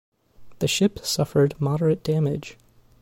The ship suffered moderate damage.